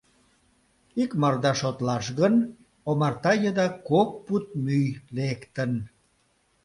Икмарда шотлаш гын, омарта еда кок пуд мӱй лектын.